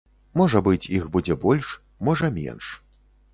Можа быць, іх будзе больш, можа, менш.